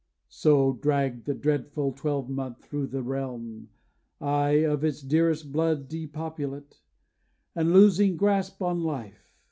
So dragged the dreadful twelvemonth thro' the realm, Aye of its dearest blood depopulate, And losing grasp on life.